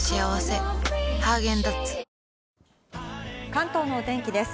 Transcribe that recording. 関東のお天気です。